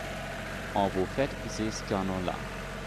On vous fait ces canons-là.